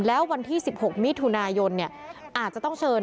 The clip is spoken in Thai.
แล้ววันที่๑๖มิถุนายนอาจจะต้องเชิญ